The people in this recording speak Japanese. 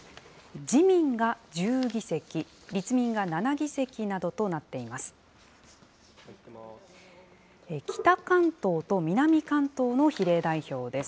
自民が１０議席、立民が７議席などとなっています。